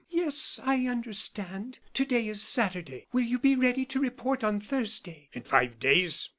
"Yes, I understand. To day is Saturday; will you be ready to report on Thursday?" "In five days?